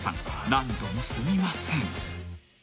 何度もすみません］